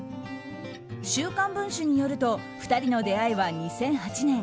「週刊文春」によると２人の出会いは２００８年。